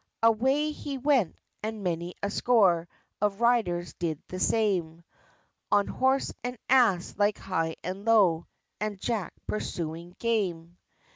Away he went, and many a score Of riders did the same, On horse and ass like high and low And Jack pursuing game!